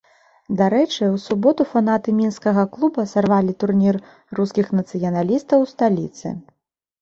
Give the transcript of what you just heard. Дарэчы, у суботу фанаты мінскага клуба сарвалі турнір рускіх нацыяналістаў у сталіцы.